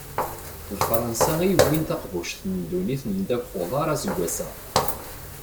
D Fransa i yewwin taqbuct n ddunit n ddabex n uḍar aseggas-a.